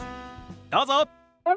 どうぞ！